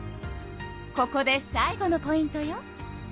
ここで最後のポイントよ。